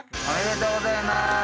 おめでとうございます。